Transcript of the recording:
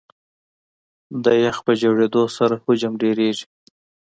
د یخ په جوړېدو سره حجم ډېرېږي.